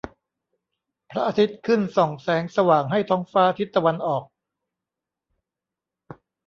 พระอาทิตย์ขึ้นส่องแสงสว่างให้ท้องฟ้าทิศตะวันออก